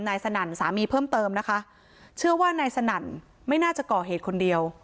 สนั่นสามีเพิ่มเติมนะคะเชื่อว่านายสนั่นไม่น่าจะก่อเหตุคนเดียว